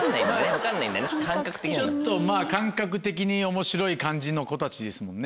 ちょっとまぁ感覚的に面白い感じの子たちですもんね。